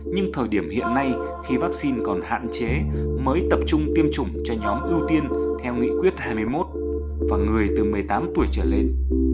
nhưng thời điểm hiện nay khi vaccine còn hạn chế mới tập trung tiêm chủng cho nhóm ưu tiên theo nghị quyết hai mươi một và người từ một mươi tám tuổi trở lên